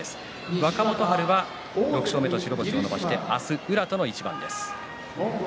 若元春は６勝目と白星を伸ばして明日は宇良との一番です。